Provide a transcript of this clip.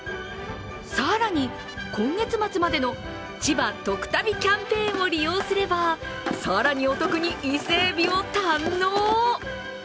更に今月末までの千葉とく旅キャンペーンを利用すれば、更にお得に伊勢えびを堪能。